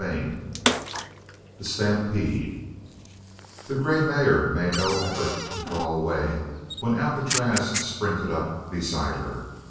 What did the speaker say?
CHAPTER IX THE STAMPEDE The grey mare made no effort to draw away when Alcatraz sprinted up beside her.